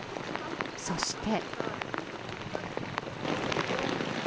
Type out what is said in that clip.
そして。